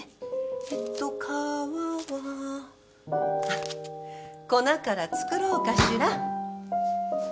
えっと皮は粉から作ろうかしら。